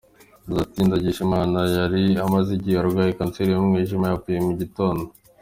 Yagize ati “ Ndagijimana yari amaze igihe arwaye kanseri y’umwijima, yapfuye mu gitondo.